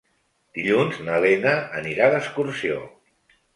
Dilluns na Lena anirà d'excursió.